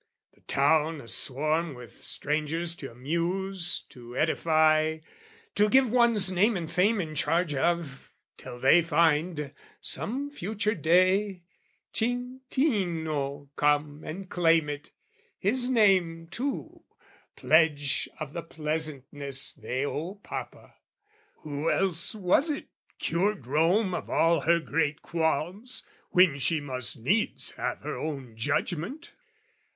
The town a swarm with strangers to amuse, To edify, to give one's name and fame In charge of, till they find, some future day, Cintino come and claim it, his name too, Pledge of the pleasantness they owe papa Who else was it, cured Rome of her great qualms, When she must needs have her own judgment?